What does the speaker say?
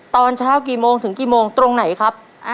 ตอนเช้ากี่โมงถึงกี่โมงตรงไหนครับ